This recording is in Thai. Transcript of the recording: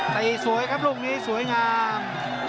สวยครับลูกนี้สวยงาม